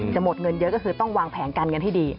หมดเงินเยอะก็คือต้องวางแผนการเงินให้ดี